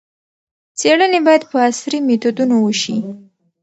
څېړنې باید په عصري میتودونو وشي.